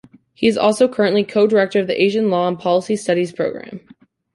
He is also currently Co-Director of the Asian Law and Policy Studies Program.